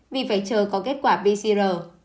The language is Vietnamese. vì phải chờ có kết quả pcr